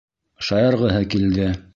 Шаярғыһы килде.